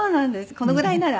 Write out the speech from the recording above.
このぐらいなら。